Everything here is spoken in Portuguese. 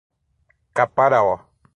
Caparaó